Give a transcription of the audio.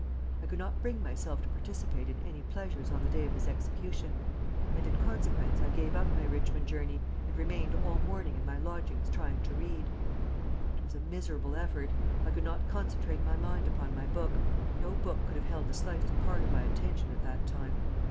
I could not bring myself to participate in any pleasures on the day of his execution, and in consequence I gave up my Richmond journey and remained all morning in my lodgings trying to read. It was a miserable effort. I could not concentrate my mind upon my book no book could have held the slightest part of my attention at that time.